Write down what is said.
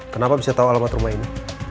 kenapa bisa tahu alamat rumah ini